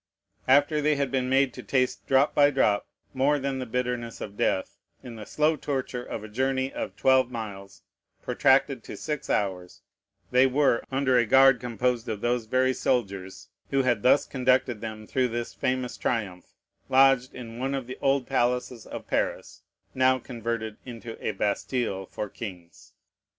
After they had been made to taste, drop by drop, more than the bitterness of death, in the slow torture of a journey of twelve miles, protracted to six hours, they were, under a guard composed of those very soldiers who had thus conducted them through this famous triumph, lodged in one of the old palaces of Paris, now converted into a Bastile for kings.